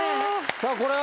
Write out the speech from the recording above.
さぁこれは。